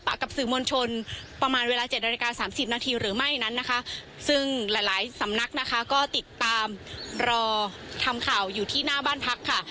กับสื่อมวลชนประมาณเวลาเจ็ดนาฬิกาสามสิบนาทีหรือไม่นั้นนะคะซึ่งหลายหลายสำนักนะคะก็ติดตามรอทำข่าวอยู่ที่หน้าบ้านพักค่ะ